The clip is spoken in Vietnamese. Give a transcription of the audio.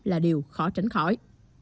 là điều khó tránh khỏi